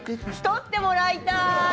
撮ってもらいたい！